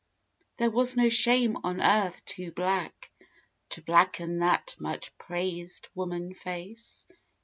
There was no shame on earth too black to blacken That much praised woman face.